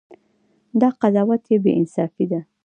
دا قضاوت بې انصافي ده.